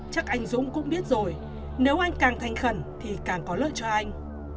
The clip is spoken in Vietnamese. chắc anh dũng cũng biết rồi nếu anh càng thành khẩn thì càng có lợi cho anh